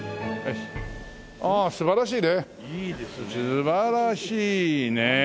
素晴らしいねえ。